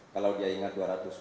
kalau dia ingat dua ratus dua ratus